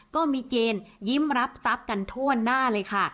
ก็มีเกณฑ์ยิ้มรับทรัพย์กันทั่วหน้าเลยค่ะ